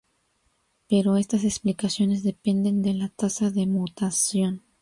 Pero estas explicaciones dependen de la tasa de mutación.